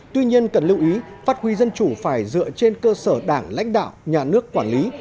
tuy nhiên cần lưu ý phát huy dân chủ phải dựa trên cơ sở đảng lãnh đạo nhà nước quản lý